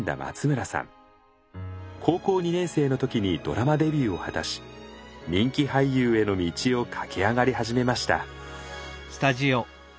高校２年生の時にドラマデビューを果たし人気俳優への道を駆け上がり始めました。